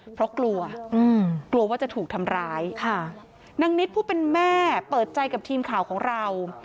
เพราะกลัวกลัวว่าจะถูกทำร้ายค่ะนางนิดผู้เป็นแม่เปิดใจกับทีมข่าวของเรา